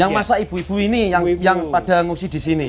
yang masa ibu ibu ini yang pada ngungsi di sini